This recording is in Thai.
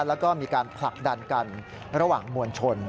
แล้วก็มีการผลักดันกันระหว่างมวลชน